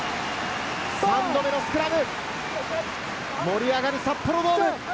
３度目のスクラム、盛り上がる札幌ドーム。